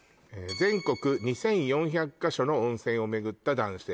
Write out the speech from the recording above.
「全国２４００ヶ所の温泉を巡った男性」